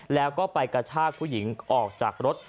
แล้วก็ไปกระชากผู้หญิงออกจากรถ